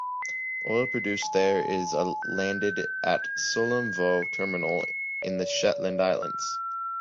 Oil produced there is landed at Sullom Voe Terminal in the Shetland Islands.